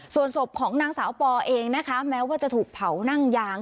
ส่วนศพของนางสาวปอเองนะคะแม้ว่าจะถูกเผานั่งยาง